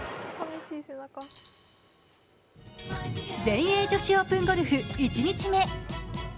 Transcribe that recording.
全英女子オープンゴルフ１日目。